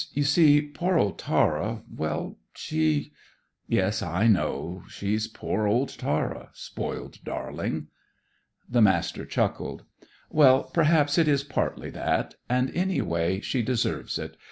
You see, poor old Tara well, she " "Yes, I know; she's poor old Tara spoiled darling!" The Master chuckled. "Well, perhaps it is partly that. And, any way, she deserves it.